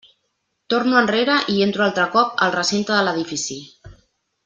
Torno enrere i entro altre cop al recinte de l'edifici.